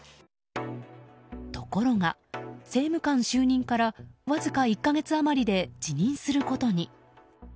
ところが、政務官就任からわずか１か月余りで辞任することに。